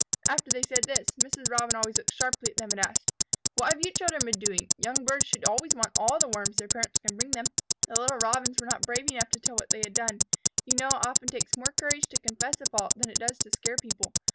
After they said this, Mrs. Robin always looked sharply at them and asked, "What have you children been doing? Young birds should always want all the Worms their parents can bring them." The little Robins were not brave enough to tell what they had done. You know it often takes more courage to confess a fault than it does to scare people.